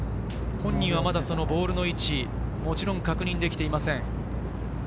本人はまだボールの位置、もちろん確認できていません。